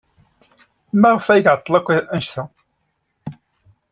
Maɣef ay iɛeḍḍel akk anect-a?